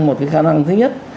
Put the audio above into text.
một cái khả năng thứ nhất